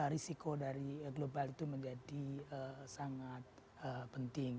risiko dari global itu menjadi sangat penting